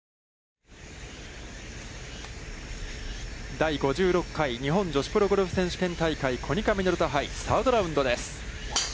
第５６回日本女子プロゴルフ選手権大会コニカミノルタ杯、サードラウンドです。